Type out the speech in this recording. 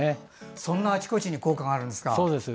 そんなあちこちに効果があるんですね。